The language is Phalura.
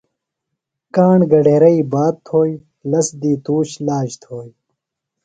کاݨ گھڈیرئی بات تھوئیۡ، لس دی تُوش لاج تھوئیۡ